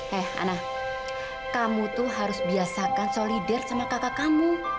hei ana kamu tuh harus biasakan solider sama kakak kamu